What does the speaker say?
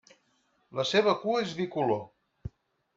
La seva cua és bicolor.